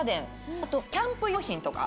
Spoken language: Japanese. あとキャンプ用品とか。